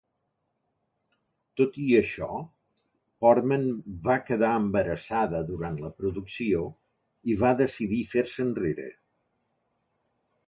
Tot i això, Portman va quedar embarassada durant la producció i va decidir fer-se enrere.